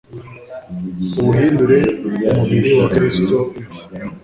uwuhindure umubiri wa kristu, ibi